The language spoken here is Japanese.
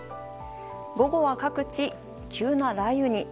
午後は各地、急な雷雨に。